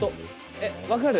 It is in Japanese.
え、分かる？